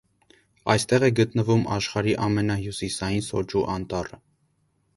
Այստեղ է գտնվում աշխարհի ամենահյուսիսային սոճու անտառը։